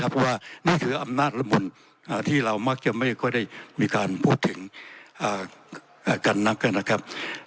เพราะว่านี่คืออำนาจละมุนที่เรามักจะไม่ค่อยได้มีการพูดถึงกันนักนะครับ